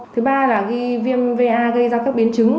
thứ ba là ghi viêm va gây ra các biến chứng